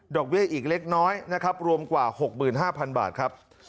เบี้ยอีกเล็กน้อยนะครับรวมกว่า๖๕๐๐๐บาทครับ